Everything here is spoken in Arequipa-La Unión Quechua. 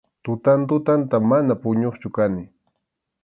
Tutan tutanta, mana puñuqchu kani.